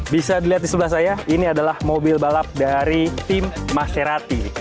bisa dilihat di sebelah saya ini adalah mobil balap dari tim maserati